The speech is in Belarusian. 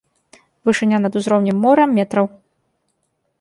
Вышыня над узроўнем мора метраў.